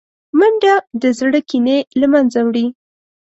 منډه د زړه کینې له منځه وړي